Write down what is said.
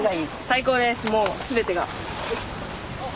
最高ですもう全てが。